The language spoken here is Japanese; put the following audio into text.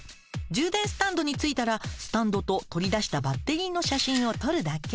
充電スタンドに着いたらスタンドと取り出したバッテリーの写真を撮るだけ。